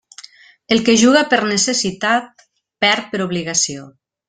El que juga per necessitat, perd per obligació.